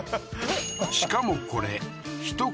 しかもこれ一口